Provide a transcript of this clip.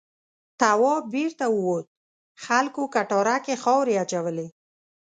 تواب بېرته ووت خلکو کټاره کې خاورې اچولې.